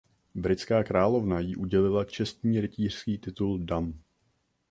Britská královna jí udělila čestný rytířský titul Dame.